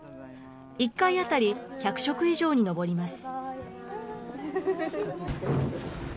１回当たり１００食以上に上ります。